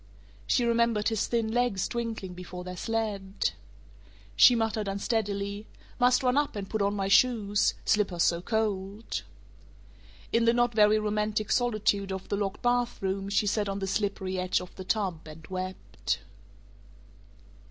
She remembered his thin legs twinkling before their sled She muttered unsteadily, "Must run up and put on my shoes slippers so cold." In the not very romantic solitude of the locked bathroom she sat on the slippery edge of the tub and wept.